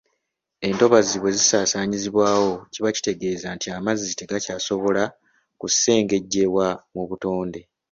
Entobazi bwe zisaanyizibwawo kiba kitegeeza nti amazzi tegakyasobola kusengejjebwa mu butonde.